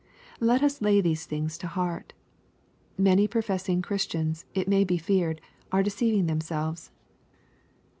Let us lay these things to heart. Many professing Chris tians, it may be feared, aredereiving themselves.